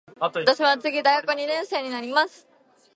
私は次大学二年生になります。